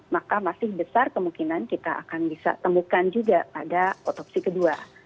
maka masih besar kemungkinan kita akan bisa temukan juga pada otopsi kedua